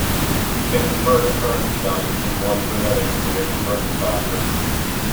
You can convert a currency value from one to another using a conversion factor.